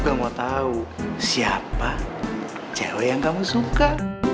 gak mau tau siapa cewek yang kamu suka